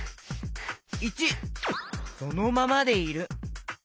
①そのままでいる。